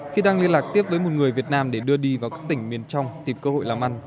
khi đang liên lạc tiếp với một người việt nam để đưa đi vào các tỉnh miền trong tìm cơ hội làm ăn